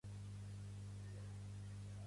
L'explicació homosexual és una que no hem d'ignorar.